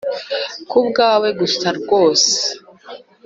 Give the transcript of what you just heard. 'kubwawe gusa rwose